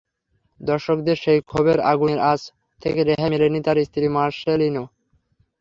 দর্শকদের সেই ক্ষোভের আগুনের আঁচ থেকে রেহাই মেলেনি তাঁর স্ত্রী মার্শেনিলেরও।